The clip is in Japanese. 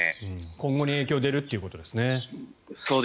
今後に影響が出るということですね。